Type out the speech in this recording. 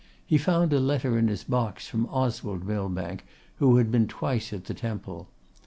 He found a letter in his box from Oswald Millbank, who had been twice at the Temple.